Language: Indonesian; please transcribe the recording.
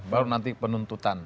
baru nanti penuntutan